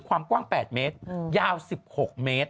ความกว้าง๘เมตรยาว๑๖เมตร